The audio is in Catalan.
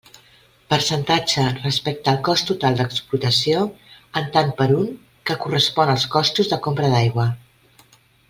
Percentatge respecte al cost total d'explotació, en tant per un, que correspon als costos de compra d'aigua.